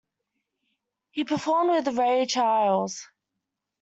He performed with Ray Charles.